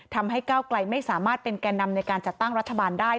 ทำให้ก้าวไกลไม่สามารถเป็นแก่นำในการจัดตั้งรัฐบาลได้